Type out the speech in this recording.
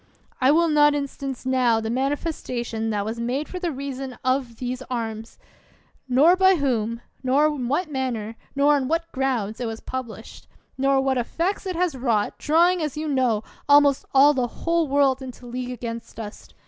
I will not instance now the manifes tation that was made for the reason of these arms ; nor by whom, nor in what manner, nor on what grounds it was published ; nor what effects it has wrought, drawing, as you know, almost all the whole world into league against us